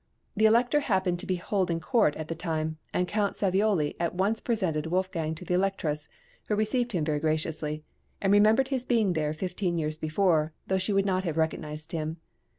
The Elector happened to be holding court at the time, and Count Savioli at once presented Wolfgang to the Electress, who received him very graciously, and remembered his being there fifteen years before, though she would not have recognised him.